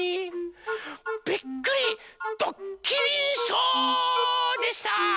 びっくりどっきりショーでした！